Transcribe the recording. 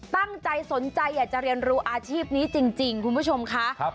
ตั้งใจสนใจอยากจะเรียนรู้อาชีพนี้จริงคุณผู้ชมค่ะ